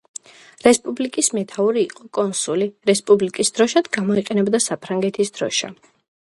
რესპუბლიკის მეთაური იყო კონსული, რესპუბლიკის დროშად გამოიყენებოდა საფრანგეთის დროშა.